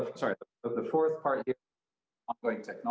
menurut konteks itu saya akan mengatakan